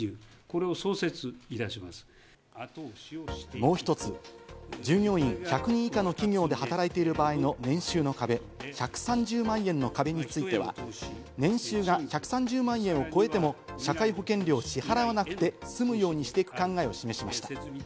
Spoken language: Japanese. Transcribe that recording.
もう１つ、従業員１００人以下の企業で働いている場合の年収の壁・１３０万円の壁については年収が１３０万円を超えても社会保険料を支払わなくて済むようにしていく考えを示しました。